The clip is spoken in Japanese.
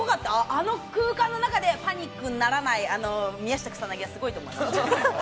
あの空間の中でパニックにならない宮下草薙はすごいと思いました。